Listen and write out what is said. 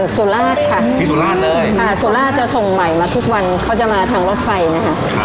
สุราชค่ะที่สุราชเลยค่ะสุราชจะส่งใหม่มาทุกวันเขาจะมาทางรถไฟนะคะ